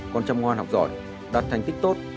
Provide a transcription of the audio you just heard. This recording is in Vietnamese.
con chăm ngoan học giỏi đạt thành tích tốt